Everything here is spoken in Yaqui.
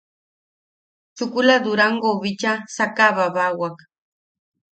Chukula Durangou bicha sakaʼababawak.